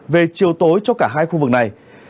về chiều tối cho cả hai khu vực này